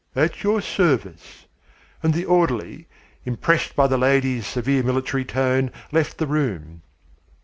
"At your service." And the orderly, impressed by the lady's severe military tone, left the room.